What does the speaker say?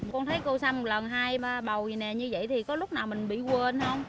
con thấy cô xăm một lần hai bầu như thế này có lúc nào mình bị quên không